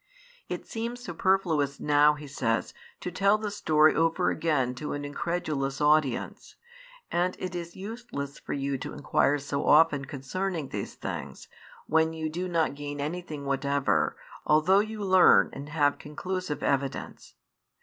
It seems superfluous now, he says, to tell the story over again to an incredulous audience, and it is useless for you to inquire so often concerning these things, when you do not gain anything whatever, although you learn and have conclusive evidence.